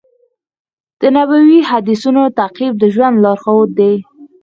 د نبوي حدیثونو تعقیب د ژوند لارښود دی.